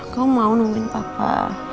kau mau nemuin papa